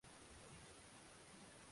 kwa watalii Njoo uone Ikiwa una moyo